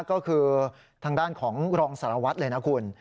ก็คือทางด้านของรองสารวัตรเลยนะคุณ